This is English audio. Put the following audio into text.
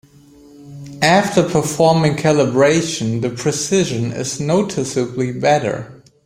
After performing calibration, the precision is noticeably better.